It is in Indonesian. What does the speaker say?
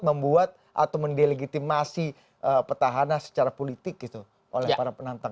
membuat atau mendelegitimasi petahana secara politik gitu oleh para penantang